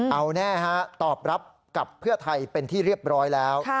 เอาแน่ฮะตอบรับกับเพื่อไทยเป็นที่เรียบร้อยแล้ว